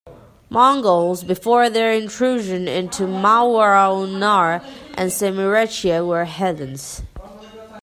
Mongols, before their intrusion into Ma wara'u'n-nahr and Semirechye were heathens.